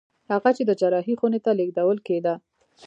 هغه چې د جراحي خونې ته لېږدول کېده